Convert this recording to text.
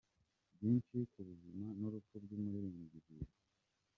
Byinshi ku buzima n’urupfu by’umuririmbyi Hirwa